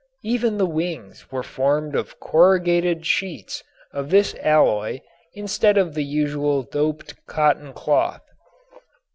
Even the wings were formed of corrugated sheets of this alloy instead of the usual doped cotton cloth.